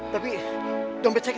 terima kasih papa